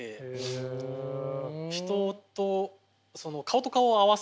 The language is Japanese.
人と顔と顔を合わせない。